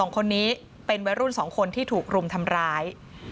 ๒คนนี้เป็นวัยรุ่น๒คนที่ถูกรุมทำร้าย